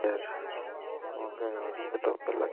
Wow, তোমাকে চমৎকার লাগছে।